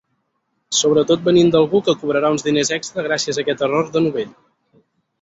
Sobretot venint d'algú que cobrarà uns diners extra gràcies a aquest error de novell.